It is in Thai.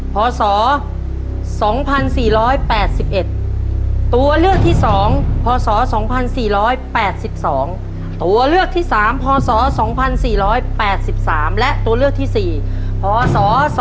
พศ๒๔๘๑ตัวเลือกที่๒พศ๒๔๘๒ตัวเลือกที่๓พศ๒๔๘๓และตัวเลือกที่๔พศ๒๕๖